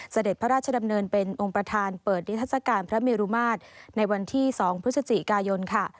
เสด็จพระราชดำเนินเป็นองค์ประธานเปิดนิทัศกาลพระเมรุมาตรในวันที่๒พฤศจิกายนค่ะ